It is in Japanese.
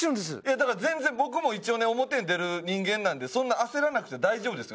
だから全然僕も一応ね表に出る人間なんでそんな焦らなくて大丈夫ですよ